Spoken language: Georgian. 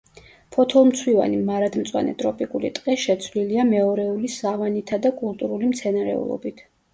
ფოთოლმცვივანი მარადმწვანე ტროპიკული ტყე შეცვლილია მეორეული სავანითა და კულტურული მცენარეულობით.